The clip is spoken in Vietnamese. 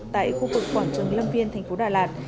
tại khu vực quảng trường lâm viên tp đà lạt